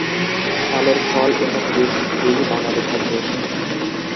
তালের ফল এবং বীজ দুইই বাঙালি খাদ্য।